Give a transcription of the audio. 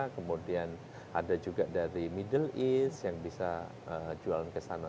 kemudian ada juga dari middle east yang bisa jualan ke sana